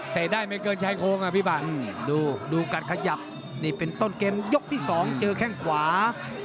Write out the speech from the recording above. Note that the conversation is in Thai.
เตะได้ไม่เกินใช้โค้งดูการขยับนี่เป็นต้นเกมยกที่๒เจอแข้งขวา